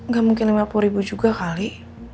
gak mungkin lima puluh ribu juga kali